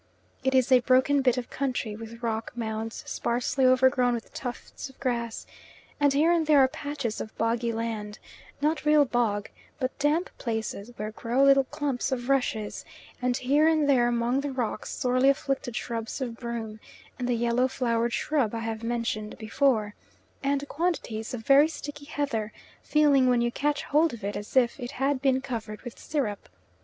It is a broken bit of country with rock mounds sparsely overgrown with tufts of grass, and here and there are patches of boggy land, not real bog, but damp places where grow little clumps of rushes, and here and there among the rocks sorely afflicted shrubs of broom, and the yellow flowered shrub I have mentioned before, and quantities of very sticky heather, feeling when you catch hold of it as if it had been covered with syrup.